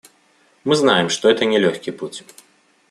Мы знаем, что это не легкий путь.